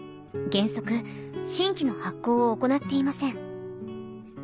原則新規の発行を行っていません